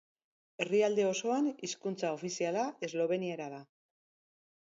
Herrialde osoan hizkuntza ofiziala esloveniera da.